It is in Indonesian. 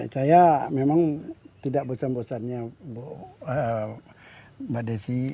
saya memang tidak bosan bosannya mbak desi